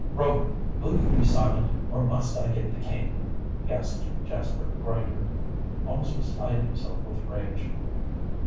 "Rover, will you be silent, or must I get the cane?" gasped Jasper Grinder, almost beside himself with rage.